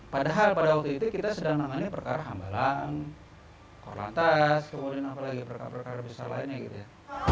padahal pada waktu itu kita sedang menangani perkara hambalang korlantas kemudian apalagi perkara perkara besar lainnya gitu ya